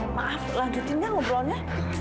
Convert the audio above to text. maaf lanjutin ya ngobrolnya